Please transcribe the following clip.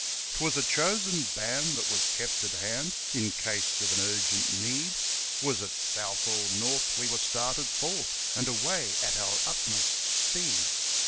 'Twas a chosen band that was kept at hand In case of an urgent need, Was it south or north we were started forth, And away at our utmost speed.